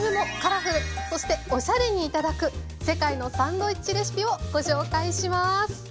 そしておしゃれにいただく世界のサンドイッチレシピをご紹介します。